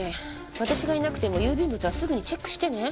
私がいなくても郵便物はすぐにチェックしてね。